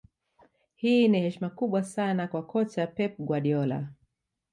Hii ni heshima kubwa sana kwa kocha Pep Guardiola